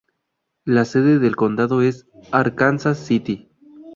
La sede del condado es Arkansas City.